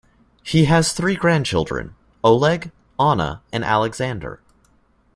He has three grandchildren, Oleg, Anna and Alexander.